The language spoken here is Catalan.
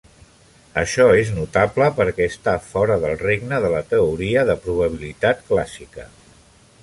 Això és notable perquè està fora del regne de la teoria de probabilitat clàssica.